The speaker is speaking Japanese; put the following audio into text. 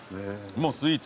もうスイーツ。